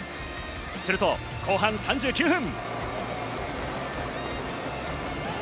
すると後半３９分。